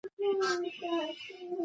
زده کړې ښځې پر ځان باور لري.